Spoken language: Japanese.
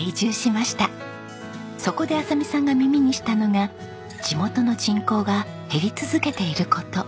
そこで亜沙美さんが耳にしたのが地元の人口が減り続けている事。